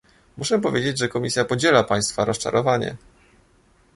Muszę powiedzieć, że Komisja podziela Państwa rozczarowanie